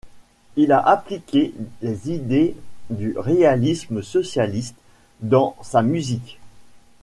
Il a appliqué les idées du réalisme socialiste dans sa musique.